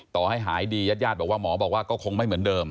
ต่อให้หายดียัดหมอก็บอกว่าก็คงไม่เหมือนเดิม